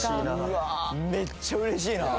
めっちゃ嬉しいな。